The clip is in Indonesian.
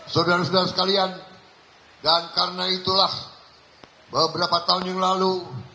saudara saudara sekalian dan karena itulah beberapa tahun yang lalu